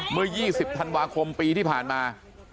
เมื่อยี่สิบธันวาคมปีที่ผ่านมา